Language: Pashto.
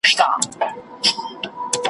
چي په سره غره کي د کنډوله لاندي `